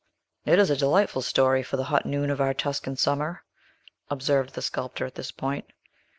"It is a delightful story for the hot noon of your Tuscan summer," observed the sculptor, at this point.